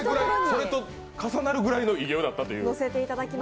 それと重なるぐらいの偉業だったという。